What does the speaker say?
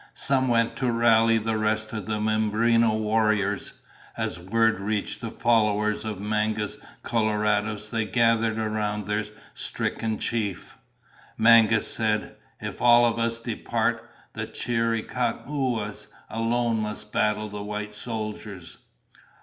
Some went to rally the rest of the Mimbreno warriors. As word reached the followers of Mangus Coloradus they gathered around their stricken chief. Mangas said, "If all of us depart, the Chiricahuas alone must battle the white soldiers."